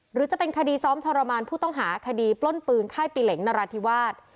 หรือจะเป็นคดีซ้อมทรมานผู้ต้องหาคดีปล้นปืนค่ายปีเหล็งนราธิวาส